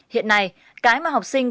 hiện nay cái mà học sinh